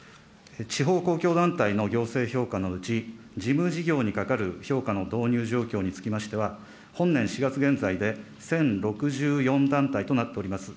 地方公共団体の行政評価のうち、事務事業にかかる評価の導入状況につきましては、本年４月現在で１０６４団体となっております。